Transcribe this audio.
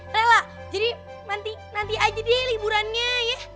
rela jadi nanti aja deh liburannya ya